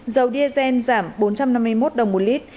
dầu diesel giảm bốn trăm năm mươi một đồng một lít